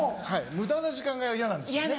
無駄な時間が嫌なんですよね。